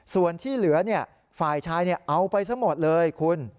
ส่วนที่เหลือเนี่ยฝ่ายชายเนี่ยเอาไปซะหมดเลยคุณ